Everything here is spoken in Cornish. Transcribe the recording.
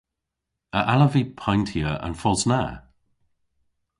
A allav vy payntya an fos na?